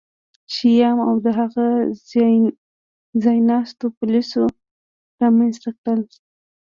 شیام او د هغه ځایناستو پولیس رامنځته کړل